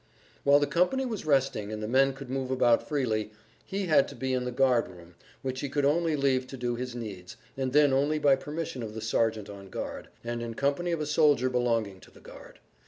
While the company was resting and the men could move about freely, he had to be in the guard room which he could only leave to do his needs, and then only by permission of the sergeant on guard, and in company of a soldier belonging to the guard.